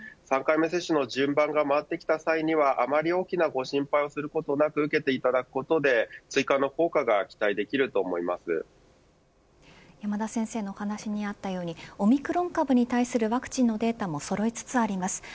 ３回目接種の順番が回ってきた際にはあまり大きな心配をすることなく受けていただくことで追加の効果が山田先生のお話にあったようにオミクロン株のワクチンのデータもそろいつつあります。